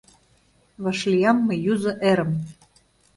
Вашлиям мый юзо эрым.